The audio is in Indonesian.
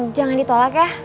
jangan ditolak ya